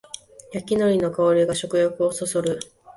焼きのりの香りが食欲をそそる